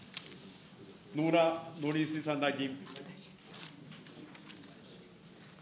野村農林水産大臣。